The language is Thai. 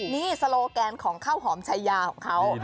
นี่โซโลแกนของข้าวหอมชายาของเขา